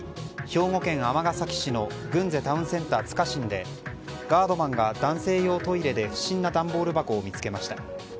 兵庫県尼崎市のグンゼタウンセンターつかしんでガードマンが男性用トイレで不審な段ボール箱を見つけました。